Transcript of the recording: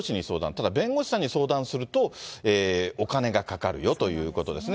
ただ弁護士に相談すると、お金がかかるよということですね。